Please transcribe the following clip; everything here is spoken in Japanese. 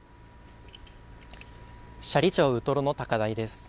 斜里町ウトロの高台です。